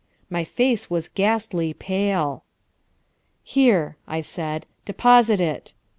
My face was ghastly pale. "Here," I said, "deposit it."